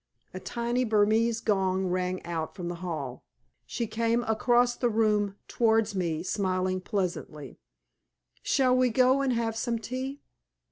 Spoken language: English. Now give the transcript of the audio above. A tiny Burmese gong rang out from the hall. She came across the room towards me, smiling pleasantly. "Shall we go and have some tea?